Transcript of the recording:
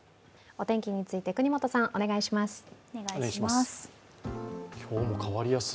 お天気について國本さん、お願いします。